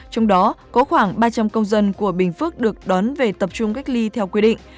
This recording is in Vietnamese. trong đó có khoảng ba trăm linh công dân của bình phước được đón về tập trung cách ly theo quy định